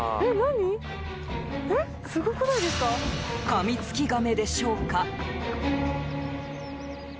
カミツキガメでしょうか？